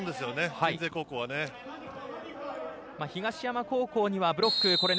鎮西高校はね。